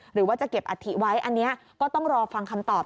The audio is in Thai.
หรือว่าจะเก็บอัฐิไว้อันนี้ก็ต้องรอฟังคำตอบ